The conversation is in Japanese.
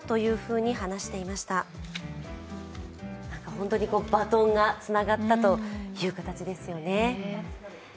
本当にバトンがつながったという形ですよね。